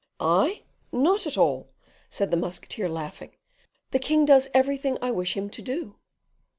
"I? not at all," said the musketeer, laughing: "the king does everything I wish him to do."